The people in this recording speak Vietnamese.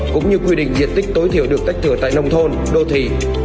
cũng như quy định diện tích tối thiểu được tách thừa tại nông thôn đô thị